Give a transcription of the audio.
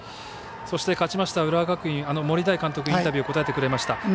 そして勝ちました浦和学院の森大監督がインタビューに答えてくれました。